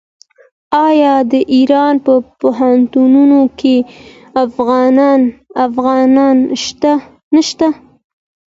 آیا د ایران په پوهنتونونو کې افغانان نشته؟